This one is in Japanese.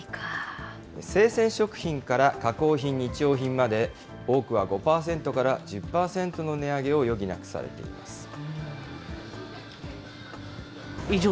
生鮮食品から加工品、日用品まで、多くは５％から１０％の値上げを余儀なくされています。